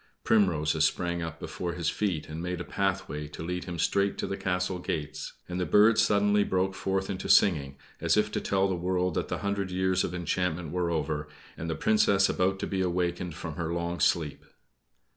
Primroses sprang up before his feet and made a pathway to lead him straight to the castle gates; and the birds suddenly broke forth into singing, as if to tell the world that the hundred years of enchantment were over, and the Princess about to be awakened from her long sleep.